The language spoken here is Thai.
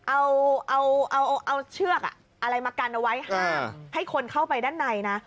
เอาเอาเชือกอะไรมากันเอาไว้ห้ามให้คนเข้าไปด้านในนะ